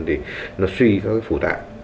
thì nó suy các phủ tạng